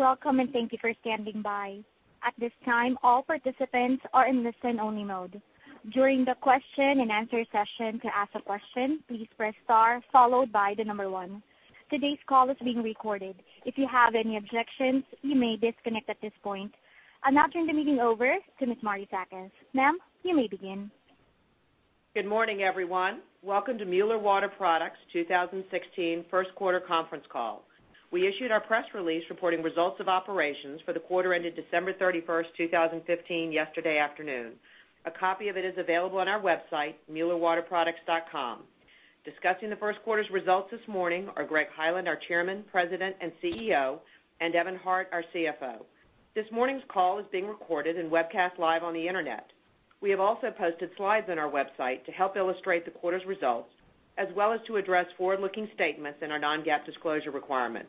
Welcome. Thank you for standing by. At this time, all participants are in listen-only mode. During the question and answer session, to ask a question, please press star followed by 1. Today's call is being recorded. If you have any objections, you may disconnect at this point. I'll now turn the meeting over to Ms. Martie Zakas. Ma'am, you may begin. Good morning, everyone. Welcome to Mueller Water Products' 2016 first quarter conference call. We issued our press release reporting results of operations for the quarter ended December 31st, 2015, yesterday afternoon. A copy of it is available on our website, muellerwaterproducts.com. Discussing the first quarter's results this morning are Gregory Hyland, our Chairman, President, and CEO, and Evan Hart, our CFO. This morning's call is being recorded and webcast live on the internet. We have also posted slides on our website to help illustrate the quarter's results, as well as to address forward-looking statements and our non-GAAP disclosure requirements.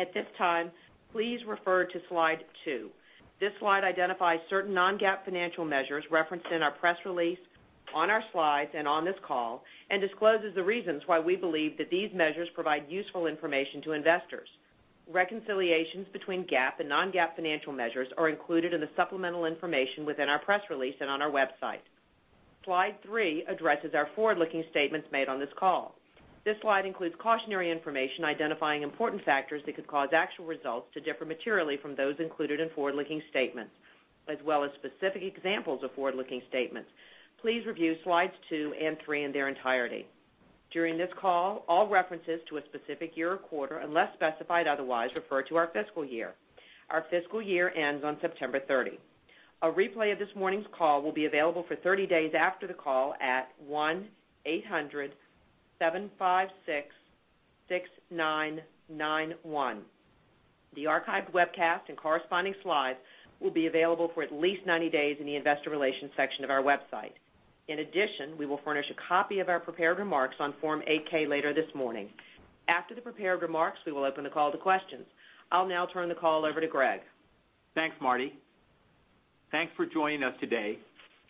At this time, please refer to slide two. This slide identifies certain non-GAAP financial measures referenced in our press release, on our slides, and on this call, and discloses the reasons why we believe that these measures provide useful information to investors. Reconciliations between GAAP and non-GAAP financial measures are included in the supplemental information within our press release and on our website. Slide three addresses our forward-looking statements made on this call. This slide includes cautionary information identifying important factors that could cause actual results to differ materially from those included in forward-looking statements, as well as specific examples of forward-looking statements. Please review slides two and three in their entirety. During this call, all references to a specific year or quarter, unless specified otherwise, refer to our fiscal year. Our fiscal year ends on September 30. A replay of this morning's call will be available for 30 days after the call at 1-800-756-6991. The archived webcast and corresponding slides will be available for at least 90 days in the investor relations section of our website. In addition, we will furnish a copy of our prepared remarks on Form 8-K later this morning. After the prepared remarks, we will open the call to questions. I'll now turn the call over to Greg. Thanks, Martie. Thanks for joining us today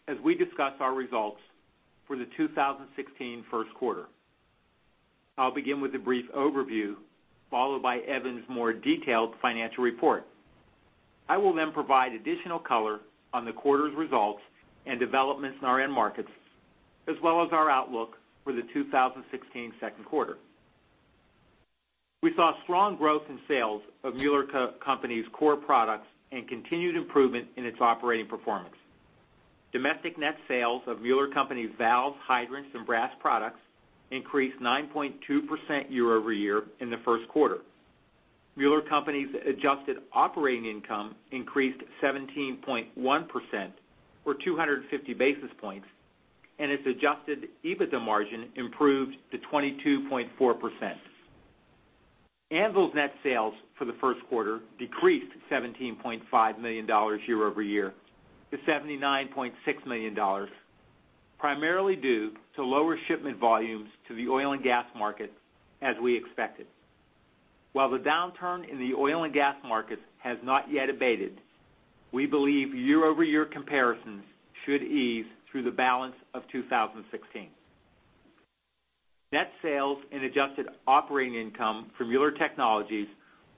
as we discuss our results for the 2016 first quarter. I'll begin with a brief overview, followed by Evan's more detailed financial report. I will then provide additional color on the quarter's results and developments in our end markets, as well as our outlook for the 2016 second quarter. We saw strong growth in sales of Mueller Co.'s core products and continued improvement in its operating performance. Domestic net sales of Mueller Co.'s valves, hydrants, and brass products increased 9.2% year-over-year in the first quarter. Mueller Co.'s adjusted operating income increased 17.1%, or 250 basis points, and its adjusted EBITDA margin improved to 22.4%. Anvil's net sales for the first quarter decreased $17.5 million year-over-year to $79.6 million, primarily due to lower shipment volumes to the oil and gas market as we expected. While the downturn in the oil and gas market has not yet abated, we believe year-over-year comparisons should ease through the balance of 2016. Net sales and adjusted operating income for Mueller Technologies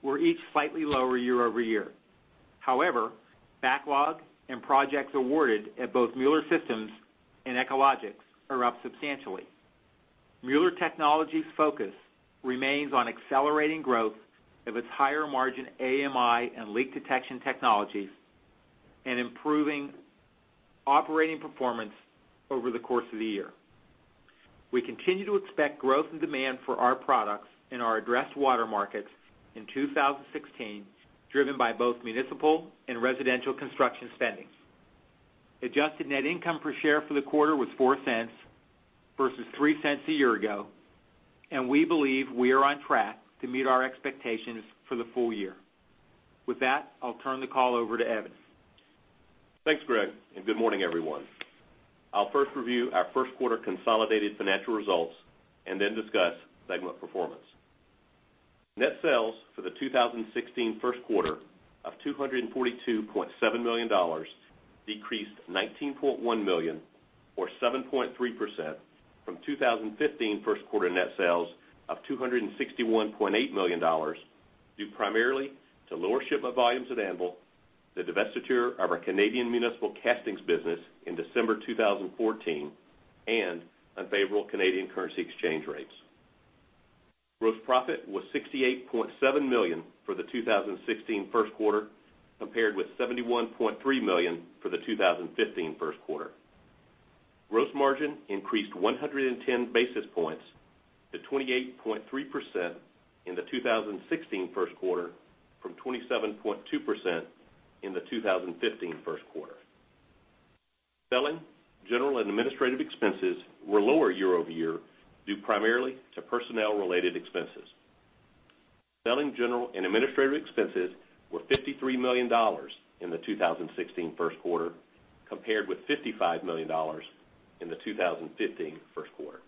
were each slightly lower year-over-year. However, backlog and projects awarded at both Mueller Systems and Echologics are up substantially. Mueller Technologies' focus remains on accelerating growth of its higher-margin AMI and leak detection technologies and improving operating performance over the course of the year. We continue to expect growth and demand for our products in our addressed water markets in 2016, driven by both municipal and residential construction spendings. Adjusted net income per share for the quarter was $0.04 versus $0.03 a year ago, and we believe we are on track to meet our expectations for the full year. With that, I'll turn the call over to Evan. Thanks, Greg, and good morning, everyone. I'll first review our first quarter consolidated financial results and then discuss segment performance. Net sales for the 2016 first quarter of $242.7 million decreased $19.1 million, or 7.3%, from 2015 first quarter net sales of $261.8 million, due primarily to lower shipment volumes at Anvil, the divestiture of our Canadian municipal castings business in December 2014, and unfavorable Canadian currency exchange rates. Gross profit was $68.7 million for the 2016 first quarter, compared with $71.3 million for the 2015 first quarter. Gross margin increased 110 basis points to 28.3% in the 2016 first quarter from 27.2% in the 2015 first quarter. Selling, general, and administrative expenses were lower year-over-year due primarily to personnel-related expenses. Selling, general, and administrative expenses were $53 million in the 2016 first quarter, compared with $55 million in the 2015 first quarter.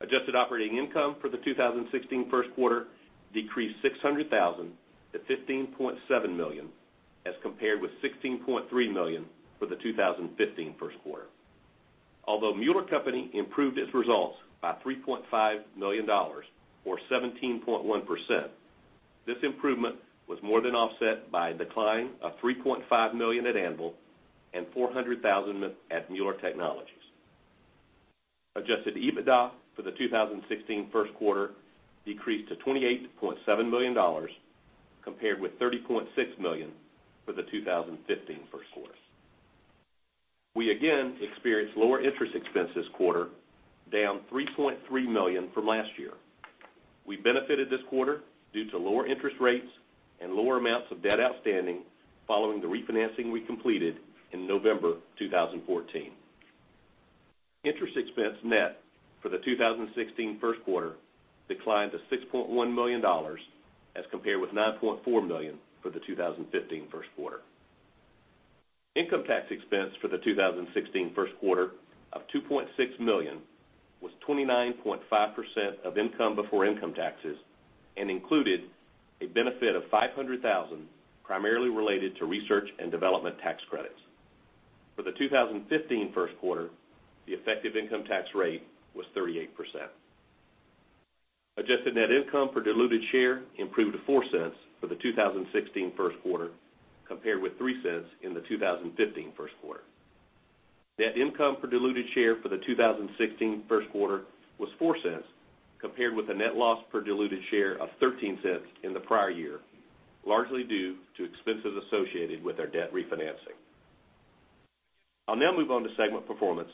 Adjusted operating income for the 2016 first quarter decreased $600,000 to $15.7 million, as compared with $16.3 million for the 2015 first quarter. Although Mueller Company improved its results by $3.5 million, or 17.1%, this improvement was more than offset by a decline of $3.5 million at Anvil and $400,000 at Mueller Technologies. Adjusted EBITDA for the 2016 first quarter decreased to $28.7 million compared with $30.6 million for the 2015 first quarter. We again experienced lower interest expense this quarter, down $3.3 million from last year. We benefited this quarter due to lower interest rates and lower amounts of debt outstanding following the refinancing we completed in November 2014. Interest expense net for the 2016 first quarter declined to $6.1 million as compared with $9.4 million for the 2015 first quarter. Income tax expense for the 2016 first quarter of $2.6 million was 29.5% of income before income taxes and included a benefit of $500,000, primarily related to research and development tax credits. For the 2015 first quarter, the effective income tax rate was 38%. Adjusted net income per diluted share improved to $0.04 for the 2016 first quarter, compared with $0.03 in the 2015 first quarter. Net income per diluted share for the 2016 first quarter was $0.04, compared with a net loss per diluted share of $0.13 in the prior year, largely due to expenses associated with our debt refinancing. I'll now move on to segment performance,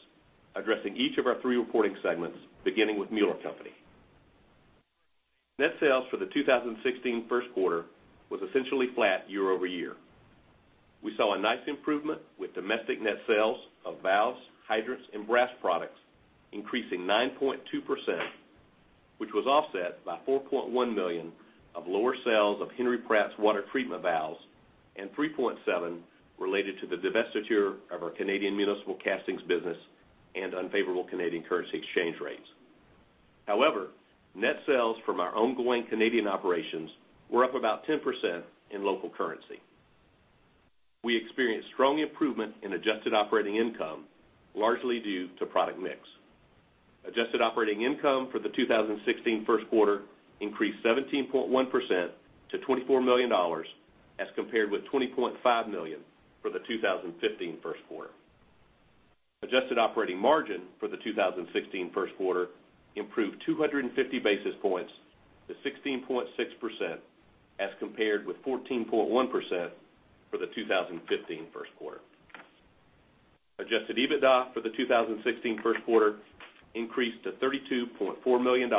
addressing each of our three reporting segments, beginning with Mueller Co. Net sales for the 2016 first quarter was essentially flat year-over-year. We saw a nice improvement with domestic net sales of valves, hydrants, and brass products increasing 9.2%, which was offset by $4.1 million of lower sales of Henry Pratt's water treatment valves and $3.7 million related to the divestiture of our Canadian municipal castings business and unfavorable Canadian currency exchange rates. However, net sales from our ongoing Canadian operations were up about 10% in local currency. We experienced strong improvement in adjusted operating income, largely due to product mix. Adjusted operating income for the 2016 first quarter increased 17.1% to $24 million as compared with $20.5 million for the 2015 first quarter. Adjusted operating margin for the 2016 first quarter improved 250 basis points to 16.6% as compared with 14.1% for the 2015 first quarter. Adjusted EBITDA for the 2016 first quarter increased to $32.4 million,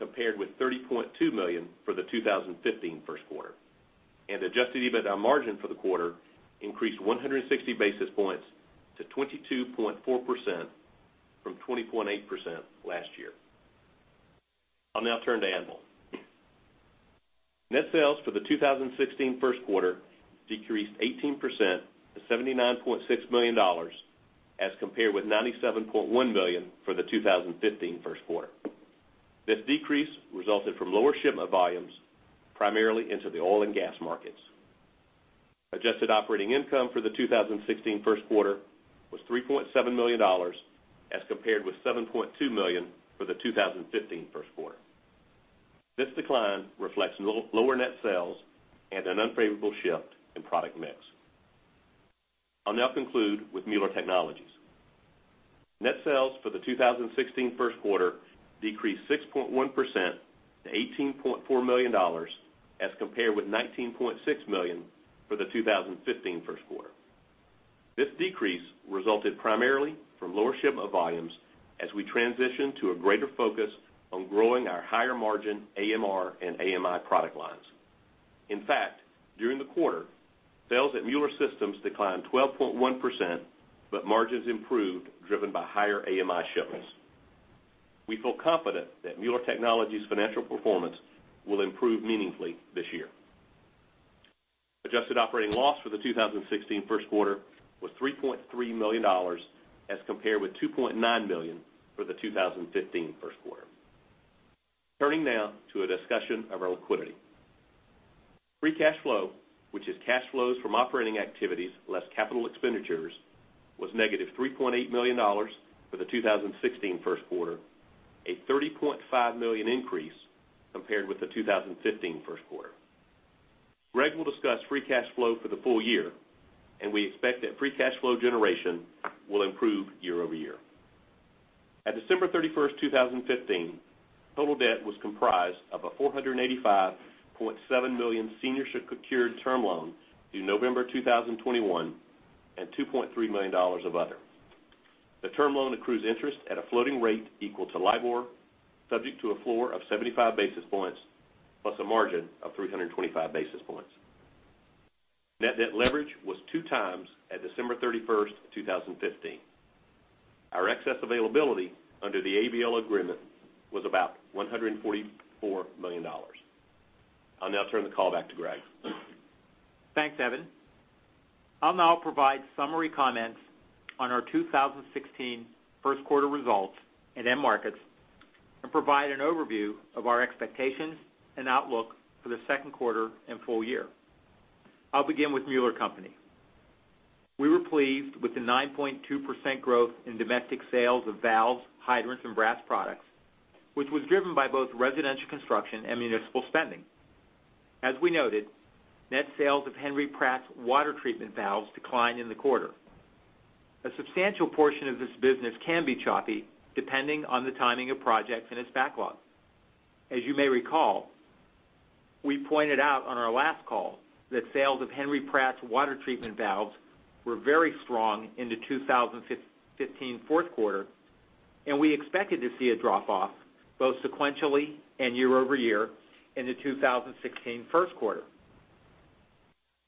compared with $30.2 million for the 2015 first quarter. Adjusted EBITDA margin for the quarter increased 160 basis points to 22.4% from 20.8% last year. I'll now turn to Anvil. Net sales for the 2016 first quarter decreased 18% to $79.6 million as compared with $97.1 million for the 2015 first quarter. This decrease resulted from lower shipment volumes, primarily into the oil and gas markets. Adjusted operating income for the 2016 first quarter was $3.7 million as compared with $7.2 million for the 2015 first quarter. This decline reflects lower net sales and an unfavorable shift in product mix. I'll now conclude with Mueller Technologies. Net sales for the 2016 first quarter decreased 6.1% to $18.4 million as compared with $19.6 million for the 2015 first quarter. This decrease resulted primarily from lower shipment volumes as we transition to a greater focus on growing our higher-margin AMR and AMI product lines. In fact, during the quarter, sales at Mueller Systems declined 12.1%, but margins improved, driven by higher AMI shipments. We feel confident that Mueller Technologies' financial performance will improve meaningfully this year. Adjusted operating loss for the 2016 first quarter was $3.3 million as compared with $2.9 million for the 2015 first quarter. Turning now to a discussion of our liquidity. Free cash flow, which is cash flows from operating activities less capital expenditures, was negative $3.8 million for the 2016 first quarter, a $30.5 million increase compared with the 2015 first quarter. Greg will discuss free cash flow for the full year, and we expect that free cash flow generation will improve year-over-year. At December 31st, 2015, total debt was comprised of a $485.7 million senior secured term loan due November 2021 and $2.3 million of other. The term loan accrues interest at a floating rate equal to LIBOR, subject to a floor of 75 basis points, plus a margin of 325 basis points. Net debt leverage was two times at December 31st, 2015. Our excess availability under the ABL agreement was about $144 million. I'll now turn the call back to Greg. Thanks, Evan. I'll now provide summary comments on our 2016 first quarter results and end markets and provide an overview of our expectations and outlook for the second quarter and full year. I'll begin with Mueller Company. We were pleased with the 9.2% growth in domestic sales of valves, hydrants, and brass products, which was driven by both residential construction and municipal spending. As we noted, net sales of Henry Pratt's water treatment valves declined in the quarter. A substantial portion of this business can be choppy, depending on the timing of projects and its backlog. As you may recall, we pointed out on our last call that sales of Henry Pratt's water treatment valves were very strong in the 2015 fourth quarter, and we expected to see a drop-off both sequentially and year-over-year in the 2016 first quarter.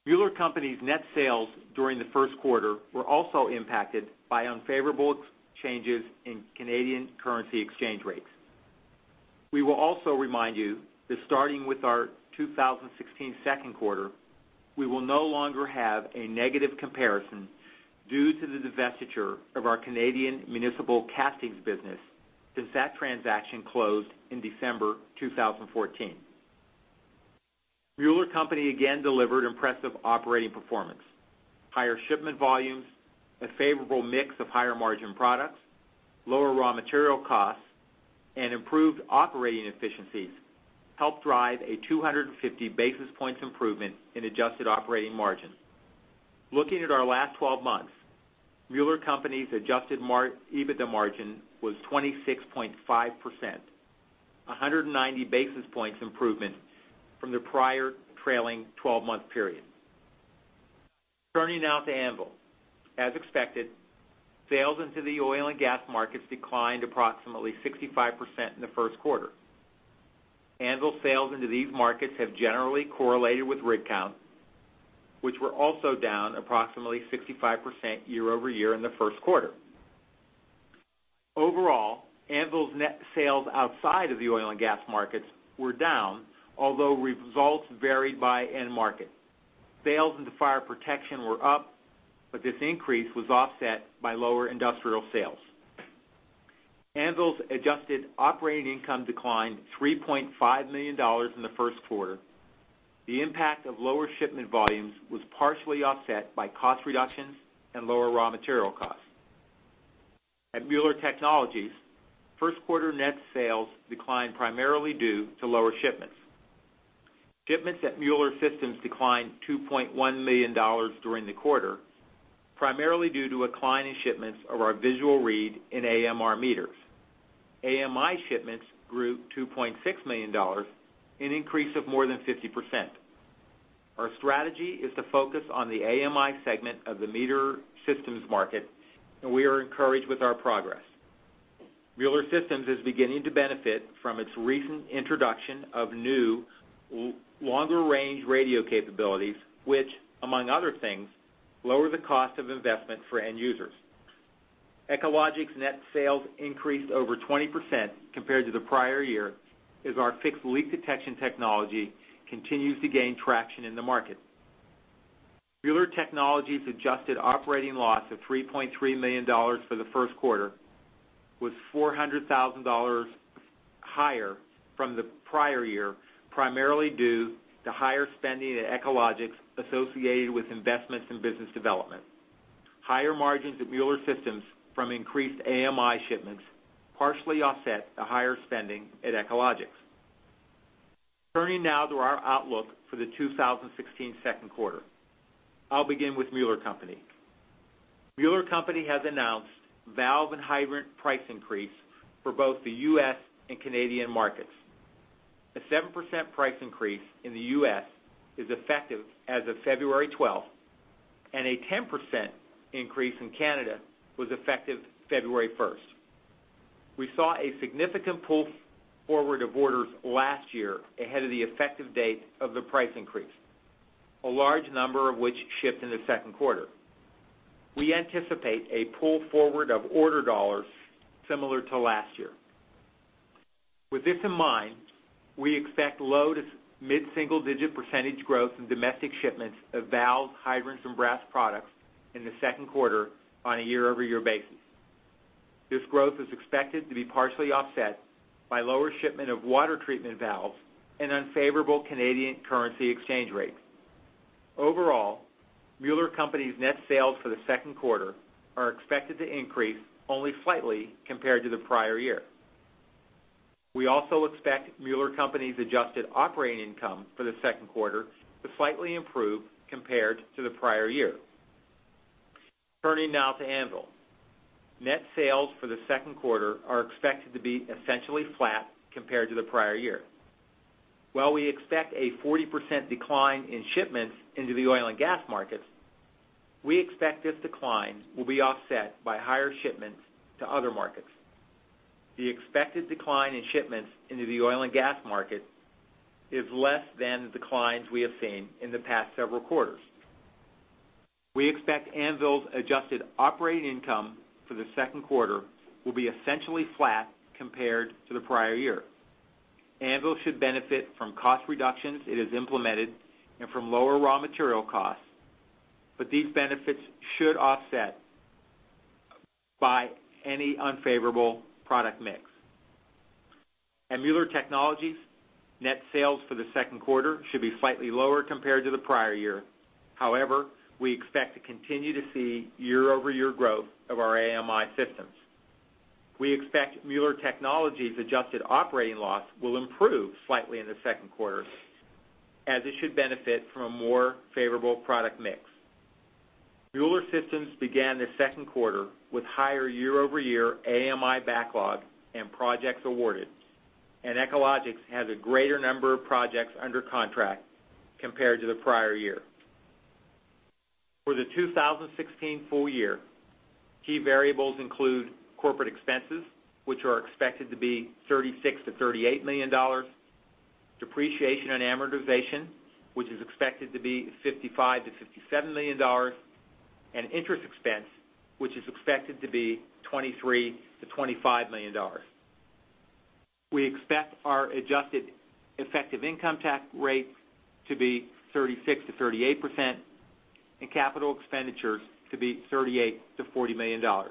Mueller Company's net sales during the first quarter were also impacted by unfavorable changes in Canadian currency exchange rates. We will also remind you that starting with our 2016 second quarter, we will no longer have a negative comparison due to the divestiture of our Canadian municipal castings business, since that transaction closed in December 2014. Mueller Company again delivered impressive operating performance. Higher shipment volumes, a favorable mix of higher-margin products, lower raw material costs, and improved operating efficiencies helped drive a 250 basis points improvement in adjusted operating margin. Looking at our last 12 months, Mueller Company's adjusted EBITDA margin was 26.5%, 190 basis points improvement from the prior trailing 12-month period. Turning now to Anvil. As expected, sales into the oil and gas markets declined approximately 65% in the first quarter. Anvil sales into these markets have generally correlated with rig count, which were also down approximately 65% year-over-year in the first quarter. Overall, Anvil's net sales outside of the oil and gas markets were down, although results varied by end market. Sales into fire protection were up, but this increase was offset by lower industrial sales. Anvil's adjusted operating income declined $3.5 million in the first quarter. The impact of lower shipment volumes was partially offset by cost reductions and lower raw material costs. At Mueller Technologies, first quarter net sales declined primarily due to lower shipments. Shipments at Mueller Systems declined $2.1 million during the quarter, primarily due to a decline in shipments of our visual read in AMR meters. AMI shipments grew $2.6 million, an increase of more than 50%. Our strategy is to focus on the AMI segment of the meter systems market, and we are encouraged with our progress. Mueller Systems is beginning to benefit from its recent introduction of new, longer-range radio capabilities, which, among other things, lower the cost of investment for end users. Echologics' net sales increased over 20% compared to the prior year as our fixed leak detection technology continues to gain traction in the market. Mueller Technologies adjusted operating loss of $3.3 million for the first quarter, was $400,000 higher from the prior year, primarily due to higher spending at Echologics associated with investments in business development. Higher margins at Mueller Systems from increased AMI shipments partially offset the higher spending at Echologics. Turning now to our outlook for the 2016 second quarter. I'll begin with Mueller Company. Mueller Company has announced valve and hydrant price increase for both the U.S. and Canadian markets. A 7% price increase in the U.S. is effective as of February 12th, and a 10% increase in Canada was effective February 1st. We saw a significant pull forward of orders last year ahead of the effective date of the price increase, a large number of which shipped in the second quarter. We anticipate a pull forward of order dollars similar to last year. With this in mind, we expect low to mid-single digit percentage growth in domestic shipments of valves, hydrants, and brass products in the second quarter on a year-over-year basis. This growth is expected to be partially offset by lower shipment of water treatment valves and unfavorable Canadian currency exchange rates. Overall, Mueller Company's net sales for the second quarter are expected to increase only slightly compared to the prior year. We also expect Mueller Company's adjusted operating income for the second quarter to slightly improve compared to the prior year. Turning now to Anvil. Net sales for the second quarter are expected to be essentially flat compared to the prior year. While we expect a 40% decline in shipments into the oil and gas markets, we expect this decline will be offset by higher shipments to other markets. The expected decline in shipments into the oil and gas market is less than the declines we have seen in the past several quarters. We expect Anvil's adjusted operating income for the second quarter will be essentially flat compared to the prior year. Anvil should benefit from cost reductions it has implemented and from lower raw material costs, but these benefits should offset by any unfavorable product mix. At Mueller Technologies, net sales for the second quarter should be slightly lower compared to the prior year. However, we expect to continue to see year-over-year growth of our AMI systems. We expect Mueller Technologies adjusted operating loss will improve slightly in the second quarter, as it should benefit from a more favorable product mix. Mueller Systems began the second quarter with higher year-over-year AMI backlog and projects awarded, and Echologics has a greater number of projects under contract compared to the prior year. For the 2016 full year, key variables include corporate expenses, which are expected to be $36 million-$38 million, depreciation and amortization, which is expected to be $55 million-$57 million, and interest expense, which is expected to be $23 million-$25 million. We expect our adjusted effective income tax rate to be 36%-38%, and capital expenditures to be $38 million-$40 million.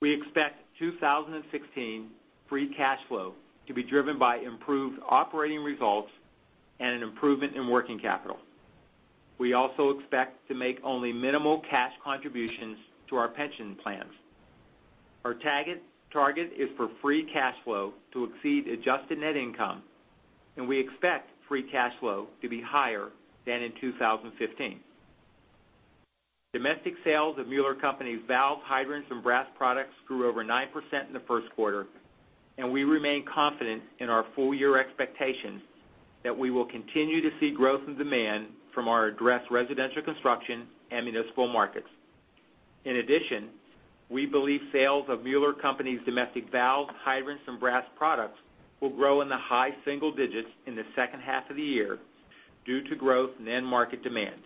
We expect 2016 free cash flow to be driven by improved operating results and an improvement in working capital. We also expect to make only minimal cash contributions to our pension plans. Our target is for free cash flow to exceed adjusted net income, and we expect free cash flow to be higher than in 2015. Domestic sales of Mueller Co.'s valves, hydrants, and brass products grew over 9% in the first quarter, and we remain confident in our full-year expectations that we will continue to see growth and demand from our addressed residential construction and municipal markets. In addition, we believe sales of Mueller Co.'s domestic valves, hydrants, and brass products will grow in the high single digits in the second half of the year due to growth in end market demand.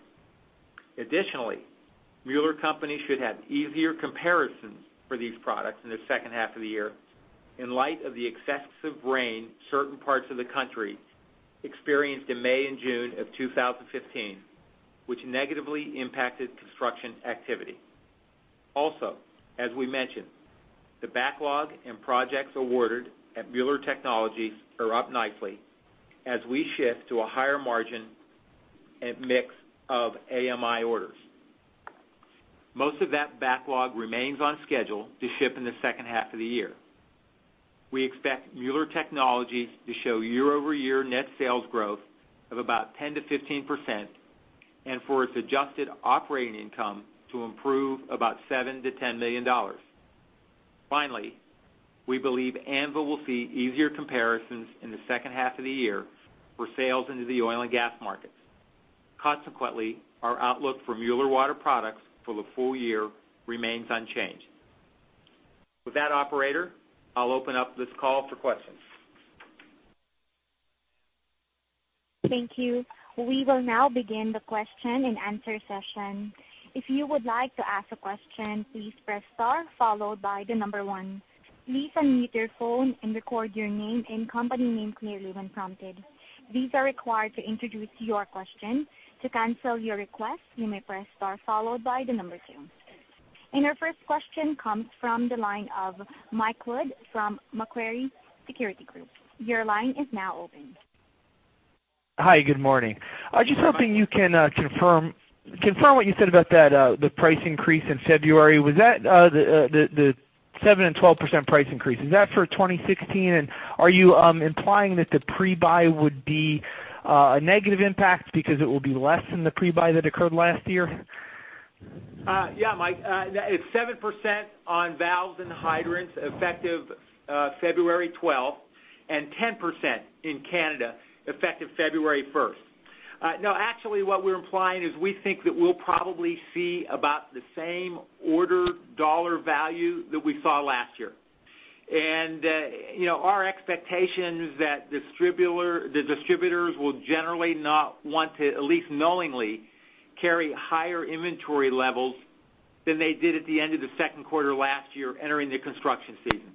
Mueller Co. should have easier comparisons for these products in the second half of the year in light of the excessive rain certain parts of the country experienced in May and June of 2015, which negatively impacted construction activity. As we mentioned, the backlog and projects awarded at Mueller Technologies are up nicely as we shift to a higher margin and mix of AMI orders. Most of that backlog remains on schedule to ship in the second half of the year. We expect Mueller Technologies to show year-over-year net sales growth of about 10%-15% and for its adjusted operating income to improve about $7 million-$10 million. We believe Anvil will see easier comparisons in the second half of the year for sales into the oil and gas markets. Consequently, our outlook for Mueller Water Products for the full year remains unchanged. With that, operator, I'll open up this call for questions. Thank you. We will now begin the question-and-answer session. If you would like to ask a question, please press star followed by the number one. Please unmute your phone and record your name and company name clearly when prompted. These are required to introduce your question. To cancel your request, you may press star followed by the number two. Our first question comes from the line of Michael Wood from Macquarie Securities Group. Your line is now open. Hi. Good morning. Just hoping you can confirm what you said about the price increase in February. The 7% and 12% price increase, is that for 2016? Are you implying that the pre-buy would be a negative impact because it will be less than the pre-buy that occurred last year? Yeah, Mike. It's 7% on valves and hydrants, effective February 12th, and 10% in Canada, effective February 1st. No, actually, what we're implying is we think that we'll probably see about the same order dollar value that we saw last year. Our expectation is that the distributors will generally not want to, at least knowingly, carry higher inventory levels than they did at the end of the second quarter last year entering the construction season.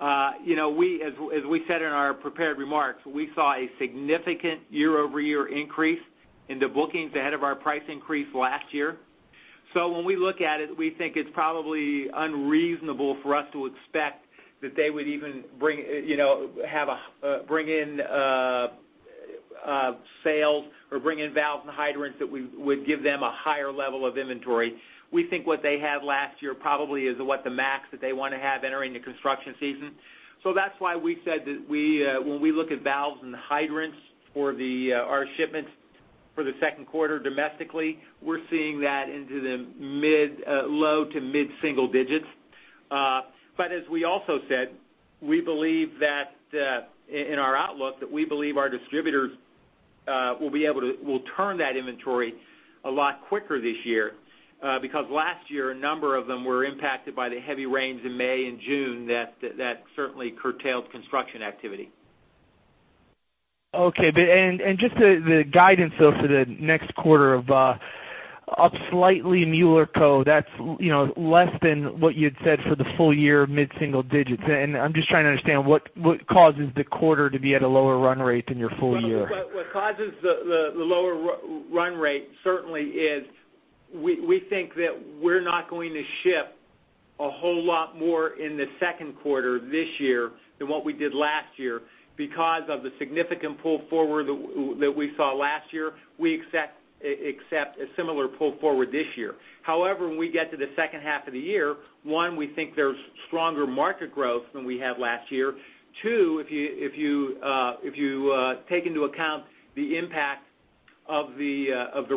As we said in our prepared remarks, we saw a significant year-over-year increase in the bookings ahead of our price increase last year. When we look at it, we think it's probably unreasonable for us to expect that they would even bring in sales or bring in valves and hydrants that we would give them a higher level of inventory. We think what they had last year probably is what the max that they want to have entering the construction season. That's why we said that when we look at valves and hydrants for our shipments for the second quarter domestically, we're seeing that into the low to mid-single digits. As we also said, in our outlook, that we believe our distributors will turn that inventory a lot quicker this year, because last year, a number of them were impacted by the heavy rains in May and June that certainly curtailed construction activity. Okay. Just the guidance, though, for the next quarter of up slightly Mueller Co. That's less than what you had said for the full year mid-single digits. I'm just trying to understand what causes the quarter to be at a lower run rate than your full year. What causes the lower run rate certainly is We think that we're not going to ship a whole lot more in the second quarter this year than what we did last year because of the significant pull forward that we saw last year. We accept a similar pull forward this year. However, when we get to the second half of the year, one, we think there's stronger market growth than we had last year. Two, if you take into account the impact of the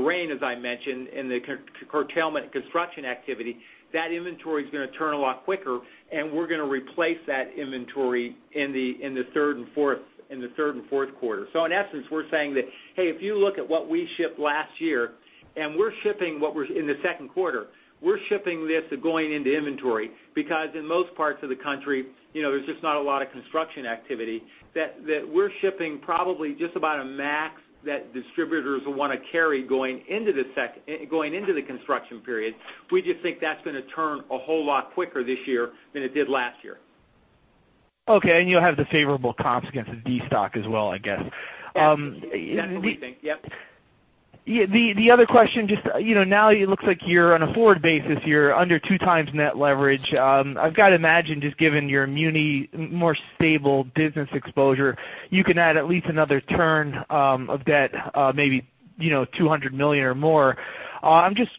rain, as I mentioned, and the curtailment construction activity, that inventory is going to turn a lot quicker, and we're going to replace that inventory in the third and fourth quarter. In essence, we're saying that, hey, if you look at what we shipped last year, in the second quarter, we're shipping this going into inventory, because in most parts of the country, there's just not a lot of construction activity. That we're shipping probably just about a max that distributors will want to carry going into the construction period. We just think that's going to turn a whole lot quicker this year than it did last year. Okay. You have the favorable comps against the destock as well, I guess. Yes. That's what we think. Yep. The other question, just now it looks like you're on a forward basis, you're under two times net leverage. I've got to imagine, just given your muni more stable business exposure, you can add at least another turn of debt, maybe, $200 million or more. I'm just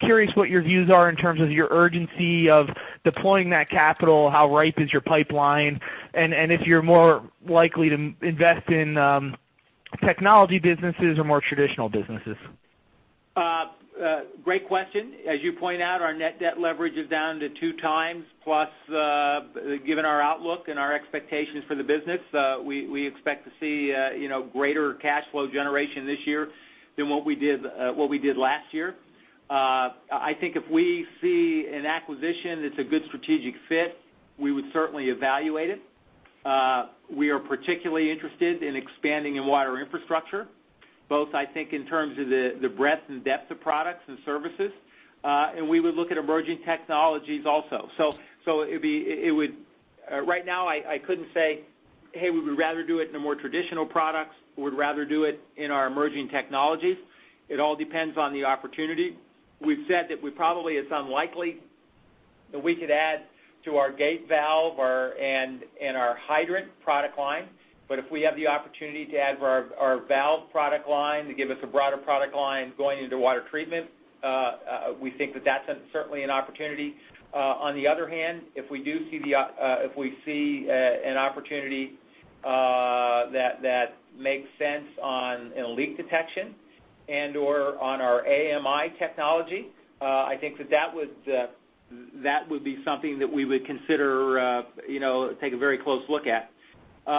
curious what your views are in terms of your urgency of deploying that capital, how ripe is your pipeline, and if you're more likely to invest in technology businesses or more traditional businesses. Great question. As you point out, our net debt leverage is down to two times. Plus, given our outlook and our expectations for the business, we expect to see greater cash flow generation this year than what we did last year. I think if we see an acquisition that's a good strategic fit, we would certainly evaluate it. We are particularly interested in expanding in water infrastructure, both I think in terms of the breadth and depth of products and services. We would look at emerging technologies also. Right now, I couldn't say, hey, we would rather do it in a more traditional product. We would rather do it in our emerging technologies. It all depends on the opportunity. We've said that we probably, it's unlikely that we could add to our gate valve and our hydrant product line. If we have the opportunity to add our valve product line to give us a broader product line going into water treatment, we think that that's certainly an opportunity. On the other hand, if we see an opportunity that makes sense in leak detection and/or on our AMI technology, I think that would be something that we would consider taking a very close look at. We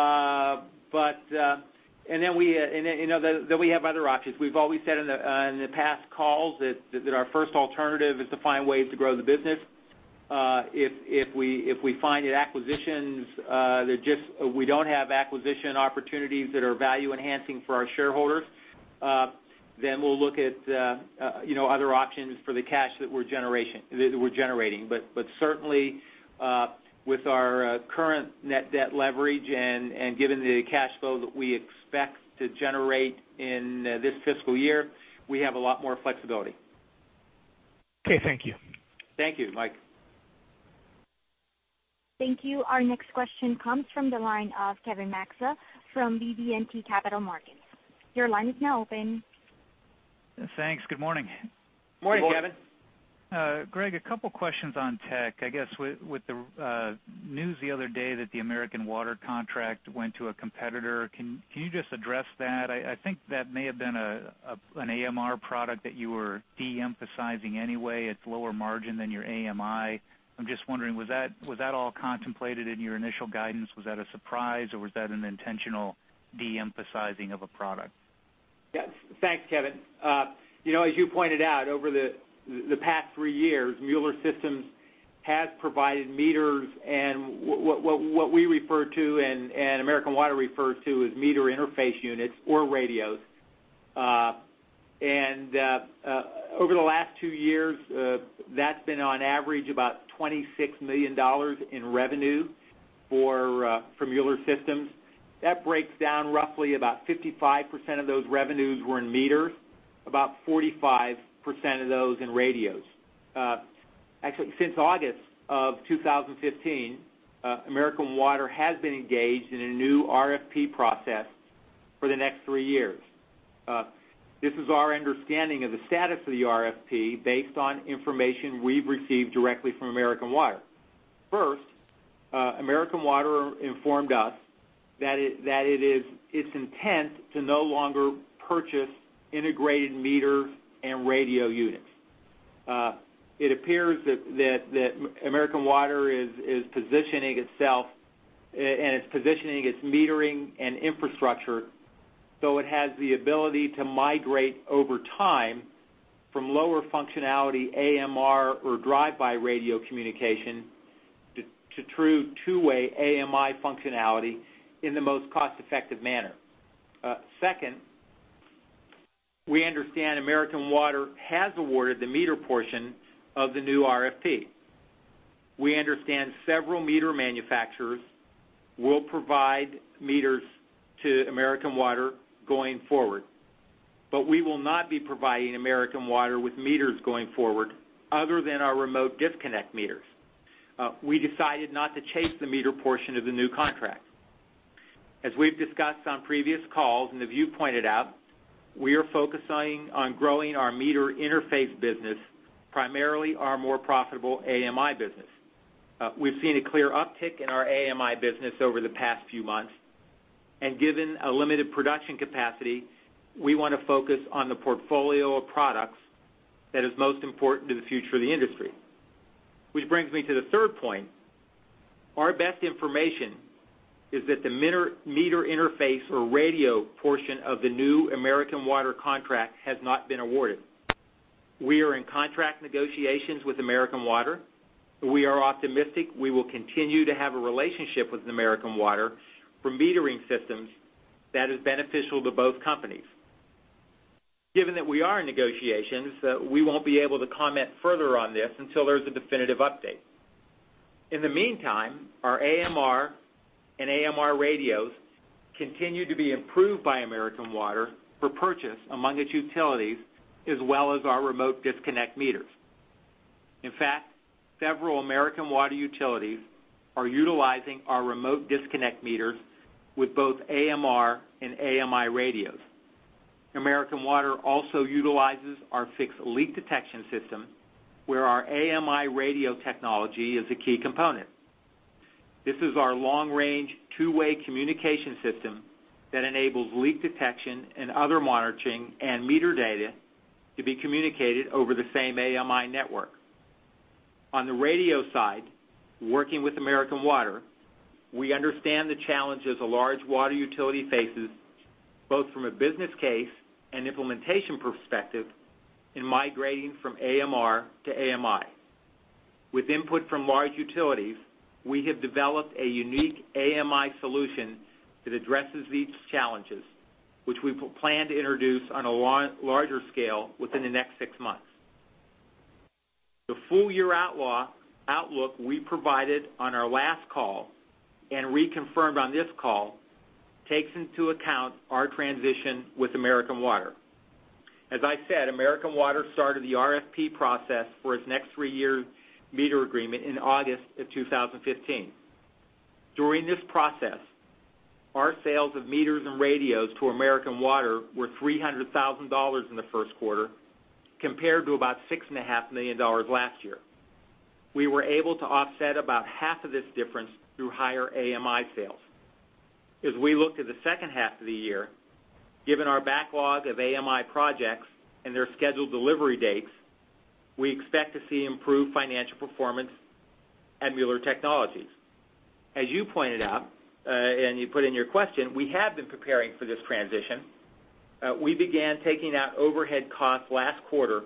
have other options. We've always said in the past calls that our first alternative is to find ways to grow the business. If we find that we don't have acquisition opportunities that are value enhancing for our shareholders, we'll look at other options for the cash that we're generating. Certainly, with our current net debt leverage and given the cash flow that we expect to generate in this fiscal year, we have a lot more flexibility. Okay. Thank you. Thank you, Mike. Thank you. Our next question comes from the line of Kevin Maczka from BB&T Capital Markets. Your line is now open. Thanks. Good morning. Morning, Kevin. Good morning. Greg, a couple questions on tech. I guess with the news the other day that the American Water contract went to a competitor, can you just address that? I think that may have been an AMR product that you were de-emphasizing anyway. It's lower margin than your AMI. I'm just wondering, was that all contemplated in your initial guidance? Was that a surprise, or was that an intentional de-emphasizing of a product? Yes. Thanks, Kevin. As you pointed out, over the past three years, Mueller Systems has provided meters and what we refer to and American Water refers to as meter interface units or radios. Over the last two years, that's been on average about $26 million in revenue from Mueller Systems. That breaks down roughly about 55% of those revenues were in meters, about 45% of those in radios. Actually, since August of 2015, American Water has been engaged in a new RFP process for the next three years. This is our understanding of the status of the RFP based on information we've received directly from American Water. First, American Water informed us that its intent to no longer purchase integrated meter and radio units. It appears that American Water is positioning itself and its positioning its metering and infrastructure, so it has the ability to migrate over time from lower functionality AMR or drive-by radio communication to true two-way AMI functionality in the most cost-effective manner. Second, we understand American Water has awarded the meter portion of the new RFP. We understand several meter manufacturers will provide meters to American Water going forward. We will not be providing American Water with meters going forward, other than our remote disconnect meters. We decided not to chase the meter portion of the new contract. As we've discussed on previous calls, and as you pointed out, we are focusing on growing our meter interface business, primarily our more profitable AMI business. We've seen a clear uptick in our AMI business over the past few months. Given a limited production capacity, we want to focus on the portfolio of products that is most important to the future of the industry. Which brings me to the third point. Our best information is that the meter interface or radio portion of the new American Water contract has not been awarded. We are in contract negotiations with American Water. We are optimistic we will continue to have a relationship with American Water for metering systems that is beneficial to both companies. Given that we are in negotiations, we won't be able to comment further on this until there's a definitive update. In the meantime, our AMR and AMR radios continue to be improved by American Water for purchase among its utilities as well as our remote disconnect meters. In fact, several American Water utilities are utilizing our remote disconnect meters with both AMR and AMI radios. American Water also utilizes our fixed leak detection system, where our AMI radio technology is a key component. This is our long-range, two-way communication system that enables leak detection and other monitoring and meter data to be communicated over the same AMI network. On the radio side, working with American Water, we understand the challenges a large water utility faces, both from a business case and implementation perspective, in migrating from AMR to AMI. With input from large utilities, we have developed a unique AMI solution that addresses these challenges, which we plan to introduce on a larger scale within the next six months. The full-year outlook we provided on our last call and reconfirmed on this call takes into account our transition with American Water. As I said, American Water started the RFP process for its next three-year meter agreement in August of 2015. During this process, our sales of meters and radios to American Water were $300,000 in the first quarter compared to about $6.5 million last year. We were able to offset about half of this difference through higher AMI sales. We look to the second half of the year, given our backlog of AMI projects and their scheduled delivery dates, we expect to see improved financial performance at Mueller Technologies. You pointed out, and you put in your question, we have been preparing for this transition. We began taking out overhead costs last quarter.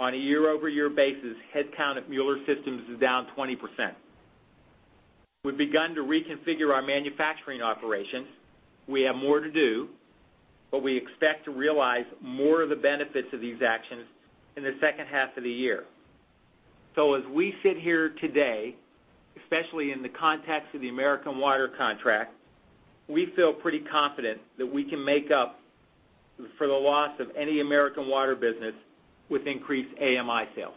On a year-over-year basis, headcount at Mueller Systems is down 20%. We've begun to reconfigure our manufacturing operations. We have more to do, but we expect to realize more of the benefits of these actions in the second half of the year. As we sit here today, especially in the context of the American Water contract, we feel pretty confident that we can make up for the loss of any American Water business with increased AMI sales.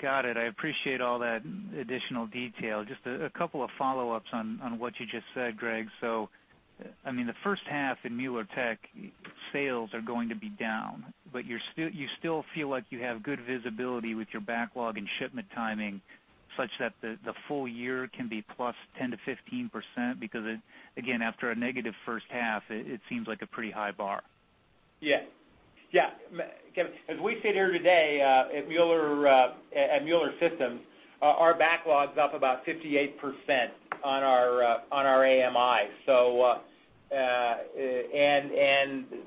Got it. I appreciate all that additional detail. Just a couple of follow-ups on what you just said, Greg. The first half in Mueller Tech sales are going to be down, but you still feel like you have good visibility with your backlog and shipment timing such that the full year can be plus 10%-15% because, again, after a negative first half, it seems like a pretty high bar. Yeah. Kevin, as we sit here today at Mueller Systems, our backlog's up about 58% on our AMI.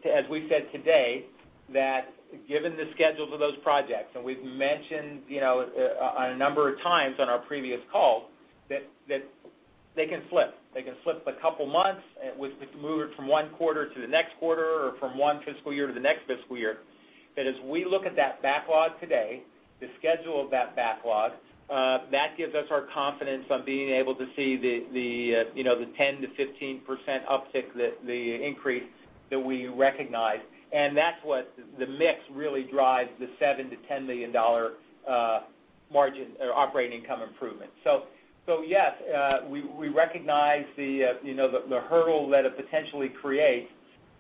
As we said today that given the schedules of those projects, and we've mentioned a number of times on our previous calls that they can slip. They can slip a couple of months, move it from one quarter to the next quarter or from one fiscal year to the next fiscal year. As we look at that backlog today, the schedule of that backlog, that gives us our confidence on being able to see the 10%-15% uptick, the increase that we recognize. That's what the mix really drives the $7 million-$10 million operating income improvement. Yes, we recognize the hurdle that it potentially creates.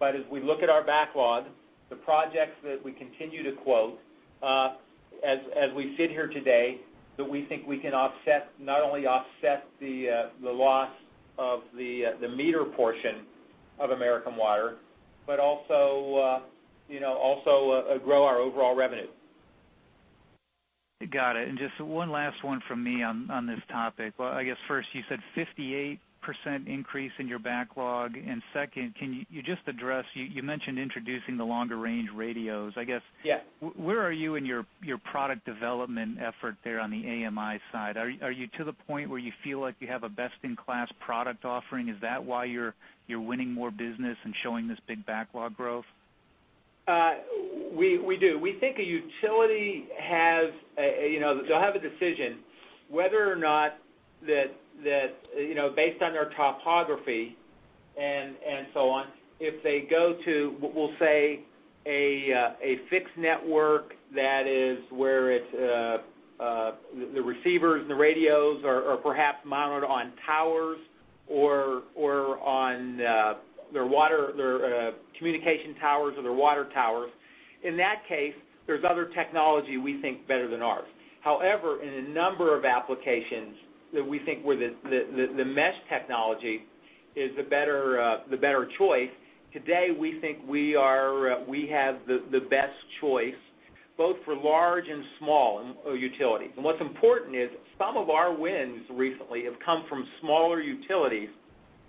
As we look at our backlog, the projects that we continue to quote as we sit here today, that we think we can not only offset the loss of the meter portion of American Water, but also grow our overall revenue. Got it. Just one last one from me on this topic. I guess first, you said 58% increase in your backlog. Second, can you just address, you mentioned introducing the longer-range radios. Yeah. Where are you in your product development effort there on the AMI side? Are you to the point where you feel like you have a best-in-class product offering? Is that why you're winning more business and showing this big backlog growth? We do. We think a utility, they'll have a decision whether or not that based on their topography and so on, if they go to, we'll say, a fixed network, that is where the receivers and the radios are perhaps mounted on towers or on their communication towers or their water towers. In that case, there's other technology we think better than ours. However, in a number of applications that we think where the mesh technology is the better choice, today, we think we have the best choice, both for large and small utilities. What's important is some of our wins recently have come from smaller utilities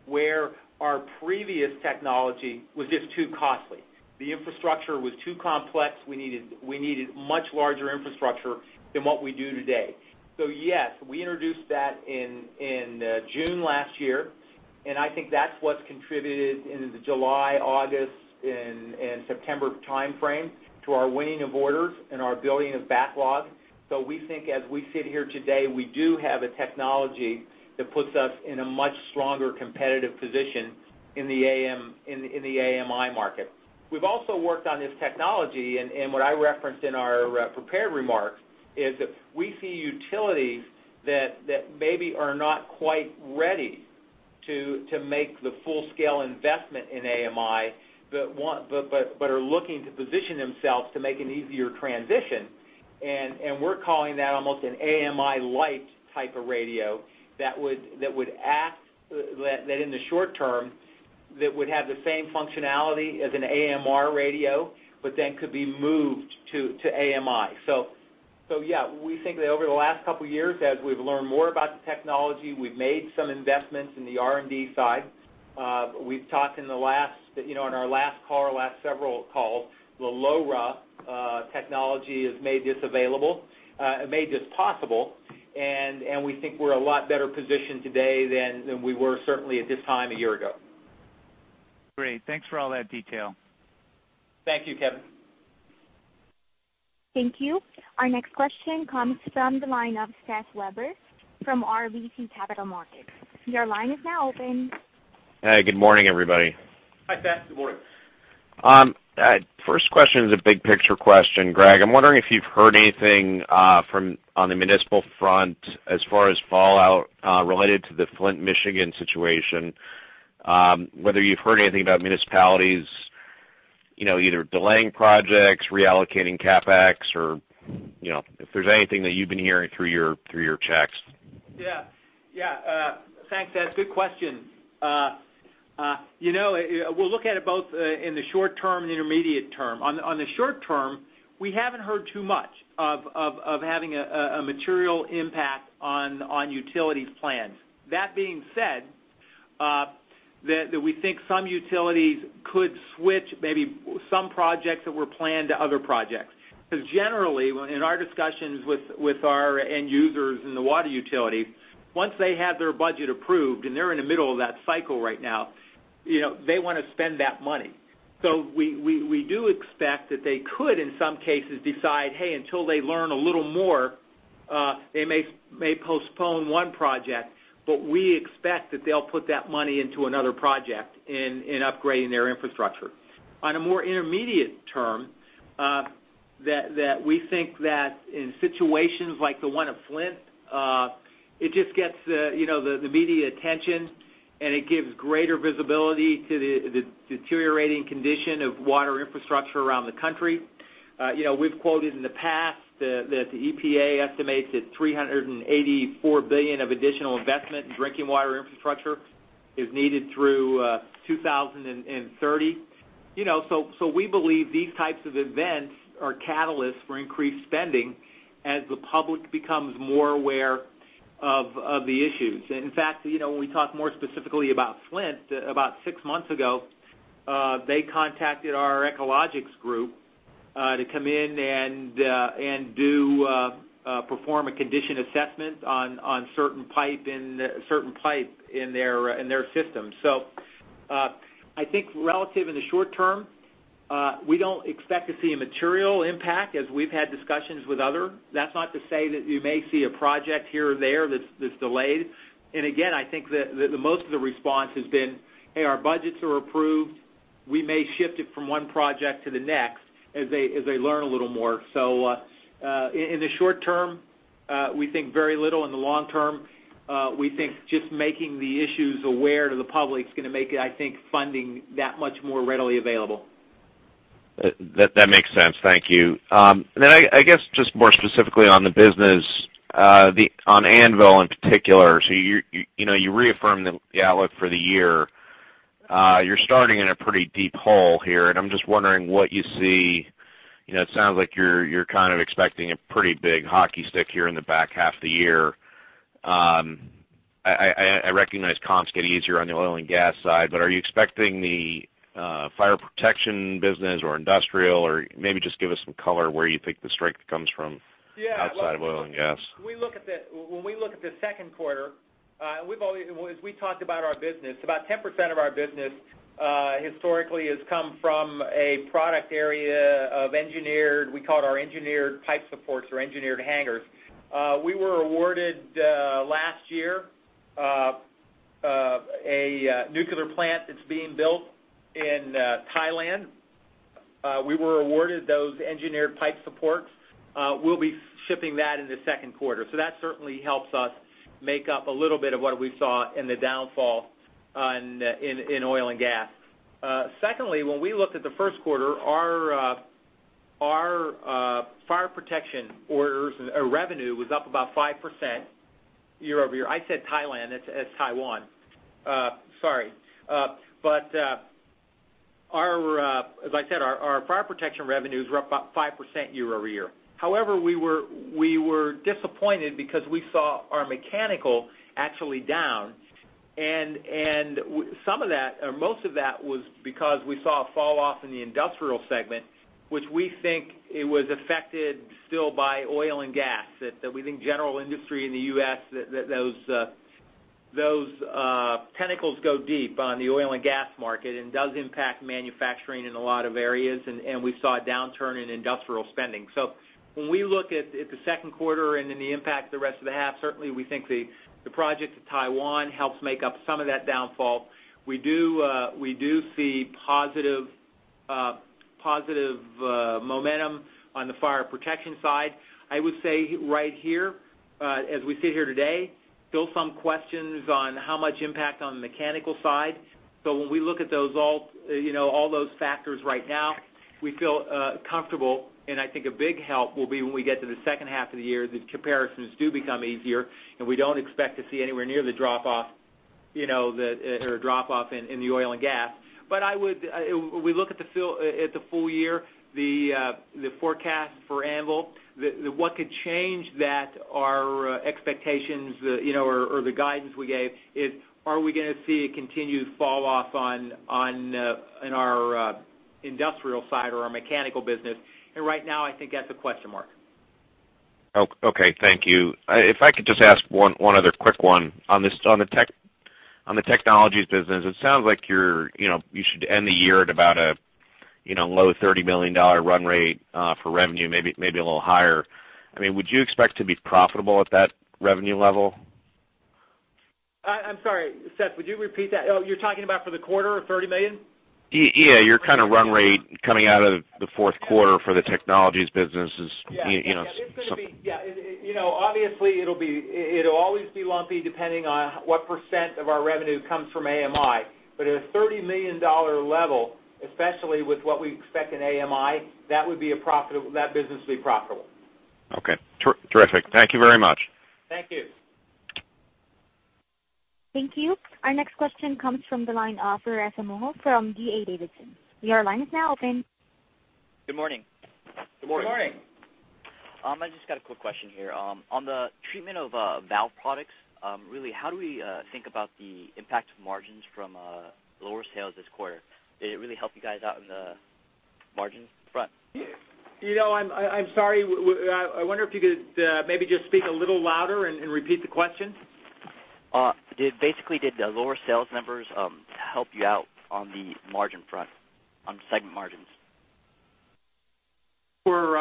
where our previous technology was just too costly. The infrastructure was too complex. We needed much larger infrastructure than what we do today. Yes, we introduced that in June last year, I think that's what's contributed in the July, August, and September timeframe to our winning of orders and our building of backlog. We think as we sit here today, we do have a technology that puts us in a much stronger competitive position in the AMI market. We've also worked on this technology, what I referenced in our prepared remarks is we see utilities that maybe are not quite ready to make the full-scale investment in AMI, but are looking to position themselves to make an easier transition, and we're calling that almost an AMI-like type of radio that in the short term would have the same functionality as an AMR radio, then could be moved to AMI. Yeah, we think that over the last couple of years, as we've learned more about the technology, we've made some investments in the R&D side. We've talked on our last several calls, the LoRa technology has made this available, made this possible, we think we're a lot better positioned today than we were certainly at this time a year ago. Great. Thanks for all that detail. Thank you, Kevin. Thank you. Our next question comes from the line of Seth Weber from RBC Capital Markets. Your line is now open. Hi, good morning, everybody. Hi, Seth. Good morning. First question is a big picture question, Greg. I'm wondering if you've heard anything on the municipal front as far as fallout related to the Flint, Michigan situation, whether you've heard anything about municipalities either delaying projects, reallocating CapEx, or if there's anything that you've been hearing through your checks. Thanks, Seth. Good question. We'll look at it both in the short term and intermediate term. The short term, we haven't heard too much of having a material impact on utilities plans. Being said, we think some utilities could switch maybe some projects that were planned to other projects. Generally, in our discussions with our end users in the water utility, once they have their budget approved, and they're in the middle of that cycle right now, they want to spend that money. We do expect that they could, in some cases, decide, hey, until they learn a little more, they may postpone one project, but we expect that they'll put that money into another project in upgrading their infrastructure. A more intermediate term, we think that in situations like the one at Flint, it just gets the media attention, and it gives greater visibility to the deteriorating condition of water infrastructure around the U.S. We've quoted in the past that the EPA estimates that $384 billion of additional investment in drinking water infrastructure is needed through 2030. We believe these types of events are catalysts for increased spending as the public becomes more aware of the issues. In fact, when we talk more specifically about Flint, about six months ago, they contacted our Echologics group to come in and perform a condition assessment on certain pipe in their system. I think relative in the short term, we don't expect to see a material impact as we've had discussions with others. That's not to say that you may see a project here or there that's delayed. I think that most of the response has been, "Hey, our budgets are approved. We may shift it from one project to the next," as they learn a little more. In the short term, we think very little. In the long term, we think just making the issues aware to the public is going to make, I think, funding that much more readily available. That makes sense. Thank you. I guess just more specifically on the business, on Anvil in particular. You reaffirmed the outlook for the year. You're starting in a pretty deep hole here, and I'm just wondering what you see. It sounds like you're kind of expecting a pretty big hockey stick here in the back half of the year. I recognize comps get easier on the oil and gas side, are you expecting the fire protection business or industrial, or maybe just give us some color where you think the strength comes from outside of oil and gas. When we look at the second quarter, as we talked about our business, about 10% of our business historically has come from a product area of engineered, we call it our engineered pipe supports or engineered hangers. We were awarded last year, a nuclear plant that's being built in Thailand. We were awarded those engineered pipe supports. We'll be shipping that in the second quarter. That certainly helps us make up a little bit of what we saw in the downfall in oil and gas. Secondly, when we looked at the first quarter, our fire protection orders or revenue was up about 5% year-over-year. I said Thailand, it's Taiwan. Sorry. As I said, our fire protection revenues were up about 5% year-over-year. We were disappointed because we saw our mechanical actually down, and most of that was because we saw a fall off in the industrial segment, which we think it was affected still by oil and gas, that we think general industry in the U.S., those tentacles go deep on the oil and gas market and does impact manufacturing in a lot of areas, and we saw a downturn in industrial spending. When we look at the second quarter and then the impact of the rest of the half, certainly we think the project in Taiwan helps make up some of that downfall. We do see positive momentum on the fire protection side. I would say right here, as we sit here today, still some questions on how much impact on the mechanical side. When we look at all those factors right now, we feel comfortable, I think a big help will be when we get to the second half of the year, the comparisons do become easier, we don't expect to see anywhere near the drop off in the oil and gas. When we look at the full year, the forecast for Anvil, what could change that are expectations or the guidance we gave is, are we going to see a continued fall off in our industrial side or our mechanical business? Right now, I think that's a question mark. Okay. Thank you. If I could just ask one other quick one. On the technologies business, it sounds like you should end the year at about a low $30 million run rate for revenue, maybe a little higher. Would you expect to be profitable at that revenue level? I'm sorry, Seth, would you repeat that? You're talking about for the quarter of $30 million? Your kind of run rate coming out of the fourth quarter for the technologies business is Yeah. Obviously, it'll always be lumpy depending on what % of our revenue comes from AMI. At a $30 million level, especially with what we expect in AMI, that business will be profitable. Okay. Terrific. Thank you very much. Thank you. Thank you. Our next question comes from the line of Resham Moho from D.A. Davidson. Your line is now open. Good morning. Good morning. Good morning. I just got a quick question here. On the treatment of valve products, really, how do we think about the impact of margins from lower sales this quarter? Did it really help you guys out in the margin front? I'm sorry. I wonder if you could maybe just speak a little louder and repeat the question. Basically, did the lower sales numbers help you out on the margin front, on segment margins? For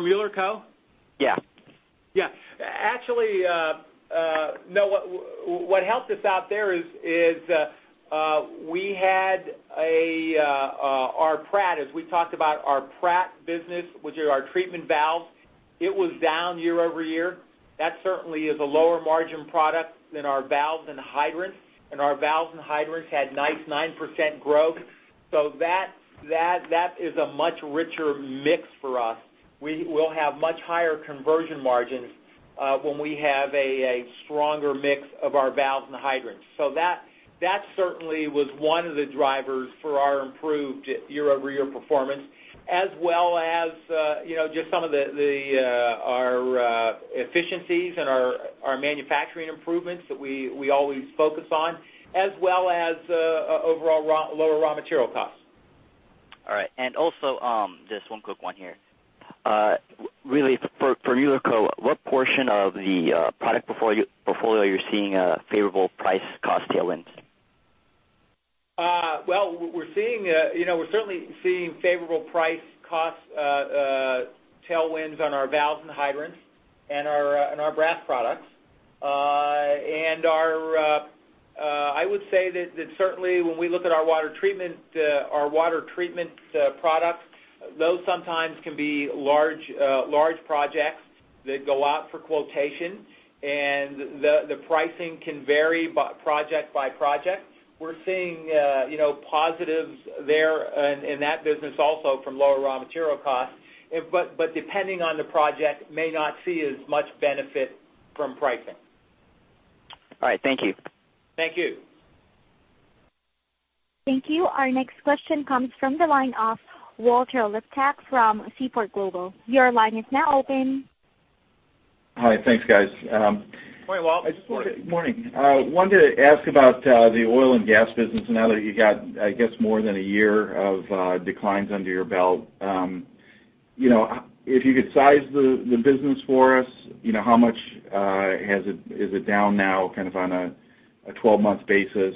Mueller Co? Yeah. Yeah. Actually, what helped us out there is we had our Pratt, as we talked about our Pratt business, which are our treatment valves. It was down year-over-year. That certainly is a lower margin product than our valves and hydrants, and our valves and hydrants had 9% growth. That is a much richer mix for us. We'll have much higher conversion margins when we have a stronger mix of our valves and hydrants. That certainly was one of the drivers for our improved year-over-year performance, as well as just some of our efficiencies and our manufacturing improvements that we always focus on, as well as overall lower raw material costs. All right. Also, just one quick one here. Really, for Mueller Co, what portion of the product portfolio you're seeing a favorable price cost tailwinds? We're certainly seeing favorable price cost tailwinds on our valves and hydrants and our brass products. I would say that certainly when we look at our water treatment products, those sometimes can be large projects that go out for quotation, and the pricing can vary project by project. We're seeing positives there in that business also from lower raw material costs. Depending on the project, may not see as much benefit from pricing. All right. Thank you. Thank you. Thank you. Our next question comes from the line of Walter Liptak from Seaport Global. Your line is now open. Hi. Thanks, guys. Hi, Walt. Morning. Wanted to ask about the oil and gas business now that you got, I guess, more than a year of declines under your belt. If you could size the business for us, how much is it down now on a 12-month basis?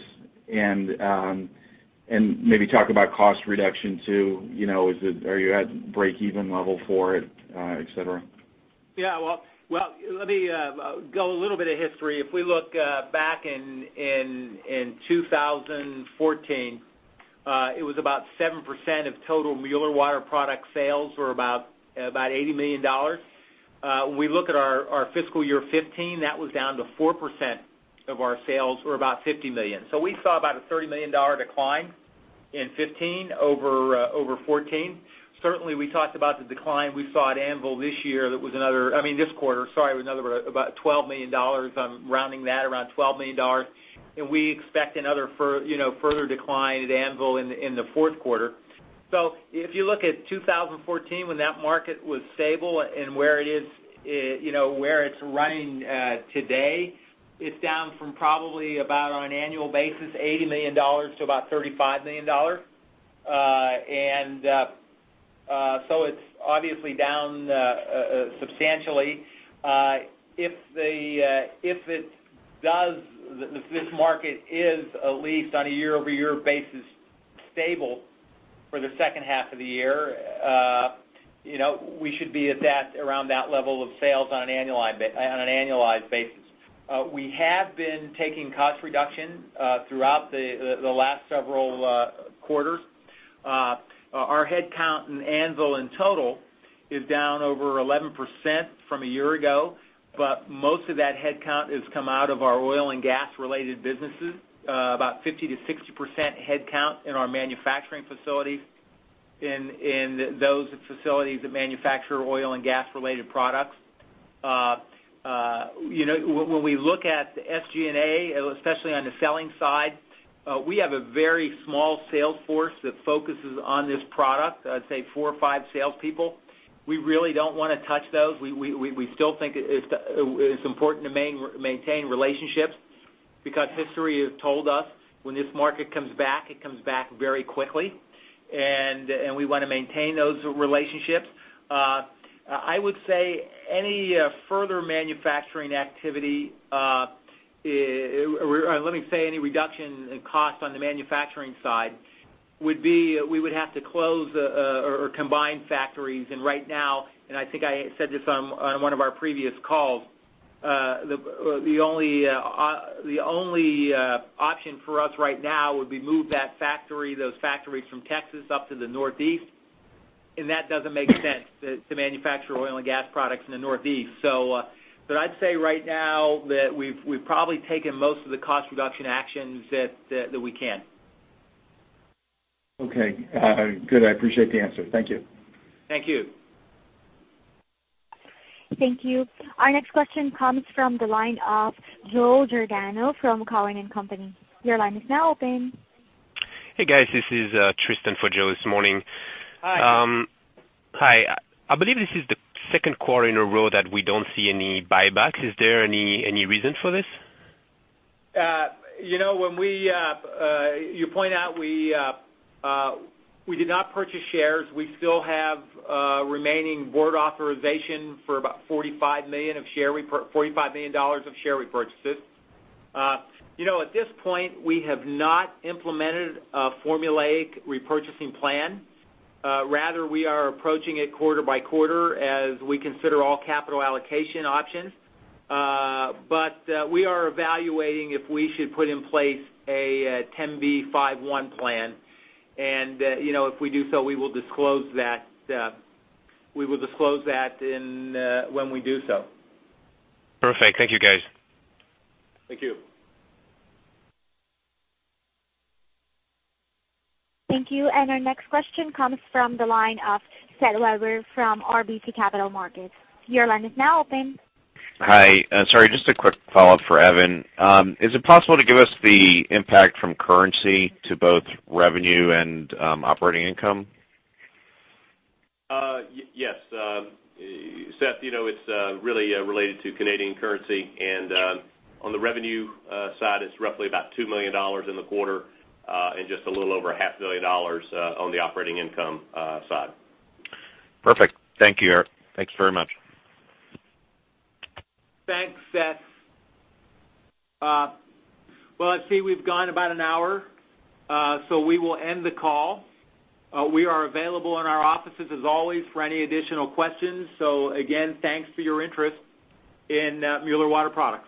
Maybe talk about cost reduction too. Are you at breakeven level for it, et cetera? Well, let me go a little bit of history. If we look back in 2014, it was about 7% of total Mueller Water Products sales were about $80 million. When we look at our fiscal year 2015, that was down to 4% of our sales or about $50 million. We saw about a $30 million decline in 2015 over 2014. Certainly, we talked about the decline we saw at Anvil this quarter with another about $12 million. I am rounding that around $12 million. We expect another further decline at Anvil in the fourth quarter. If you look at 2014 when that market was stable and where it is running today, it is down from probably about, on an annual basis, $80 million to about $35 million. It is obviously down substantially. If this market is, at least on a year-over-year basis, stable for the second half of the year, we should be around that level of sales on an annualized basis. We have been taking cost reduction throughout the last several quarters. Our headcount in Anvil in total is down over 11% from a year ago, but most of that headcount has come out of our oil and gas-related businesses, about 50%-60% headcount in our manufacturing facilities, in those facilities that manufacture oil and gas-related products. When we look at the SGA, especially on the selling side, we have a very small sales force that focuses on this product, I would say four or five salespeople. We really do not want to touch those. We still think it is important to maintain relationships because history has told us when this market comes back, it comes back very quickly, and we want to maintain those relationships. I would say any further manufacturing activity, or let me say any reduction in cost on the manufacturing side, we would have to close or combine factories. Right now, I think I said this on one of our previous calls, the only option for us right now would be move those factories from Texas up to the Northeast, and that does not make sense to manufacture oil and gas products in the Northeast. I would say right now that we have probably taken most of the cost reduction actions that we can. Okay. Good. I appreciate the answer. Thank you. Thank you. Thank you. Our next question comes from the line of Joe Giordano from Cowen and Company. Your line is now open. Hey, guys, this is Tristan for Joe this morning. Hi. Hi. I believe this is the second quarter in a row that we don't see any buybacks. Is there any reason for this? You point out we did not purchase shares. We still have remaining board authorization for about $45 million of share repurchases. At this point, we have not implemented a formulaic repurchasing plan. Rather, we are approaching it quarter by quarter as we consider all capital allocation options. We are evaluating if we should put in place a 10b5-1 plan, and if we do so, we will disclose that when we do so. Perfect. Thank you, guys. Thank you. Thank you. Our next question comes from the line of Seth Weber from RBC Capital Markets. Your line is now open. Hi. Sorry, just a quick follow-up for Evan. Is it possible to give us the impact from currency to both revenue and operating income? Yes. Seth, it's really related to Canadian currency, and on the revenue side, it's roughly about $2 million in the quarter and just a little over a half million dollars on the operating income side. Perfect. Thank you. Thanks very much. Thanks, Seth. Well, let's see, we've gone about an hour, so we will end the call. We are available in our offices as always for any additional questions. Again, thanks for your interest in Mueller Water Products.